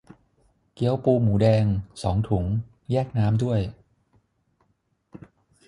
เกี๊ยวปูหมูแดง สองถุง แยกน้ำด้วย